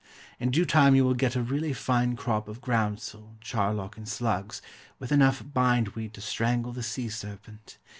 In due time you will get a really fine crop of groundsel, charlock, and slugs, with enough bind weed to strangle the sea serpent.